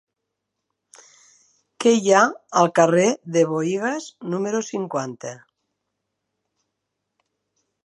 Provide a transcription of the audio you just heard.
Què hi ha al carrer de Buïgas número cinquanta?